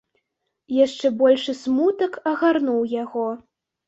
Яшчэ большы смутак агарнуў яго.